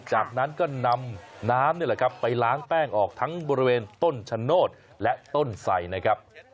จากนั้นก็นำน้ำนี่แหละครับไปล้างแป้งออกทั้งบริเวณต้นชะโนธและต้นไสนะครับ